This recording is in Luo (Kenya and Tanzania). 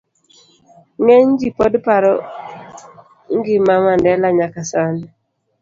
C. Ng'eny ji pod paro ngima Mandela nyaka sani